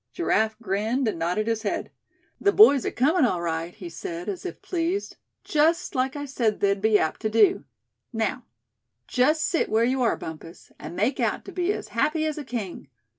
Giraffe grinned, and nodded his head. "The boys are comin' all right," he said, as if pleased; "just like I said they'd be apt to do. Now, just sit where you are, Bumpus, and make out to be as happy as a king.